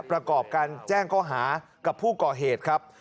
ประกอบการแจ้งข้อหากับผู้ก่อเหตุครับ